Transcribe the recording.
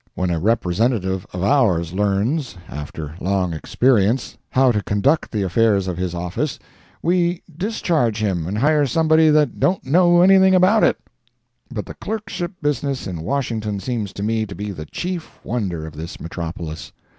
When a representative of ours learns, after long experience, how to conduct the affairs of his office, we discharge him and hire somebody that don't know anything about it. But the clerkship business in Washington seems to me to be the chief wonder of this metropolis.